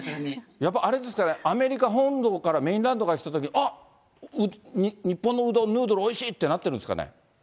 やっぱあれですかね、アメリカ本土からメインランドから来たとき、日本のうどん、ヌードルおいしいってなってるんですかね。